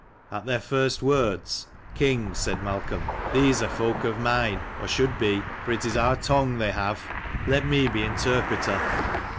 At their first words, " King," said Malcolm, "these are folk of mine, or should be: for it it is our tongue they have. 296 Let me be interpreter."